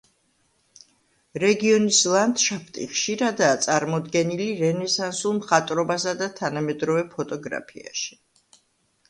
რეგიონის ლანდშაფტი ხშირადაა წარმოდგენილი რენესანსულ მხატვრობასა და თანამედროვე ფოტოგრაფიაში.